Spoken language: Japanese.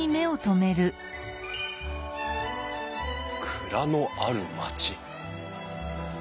「蔵のある町」。